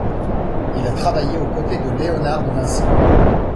Il a travaillé aux côtés de Léonard de Vinci.